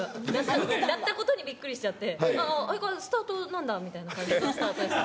なったことにびっくりしちゃって、あ、あ、スタートなんだみたいな感じのスターターでした。